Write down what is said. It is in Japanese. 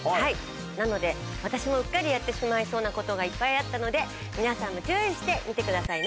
なので、私もうっかりやってしまいそうなことがいっぱいあったので、皆さんも注意して見てくださいね。